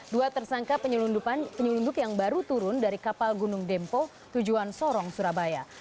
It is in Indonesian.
dua tersangka penyelundup yang baru turun dari kapal gunung dempo tujuan sorong surabaya